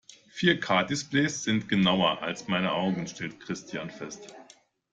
Vier-K-Displays sind genauer als meine Augen, stellt Christian fest.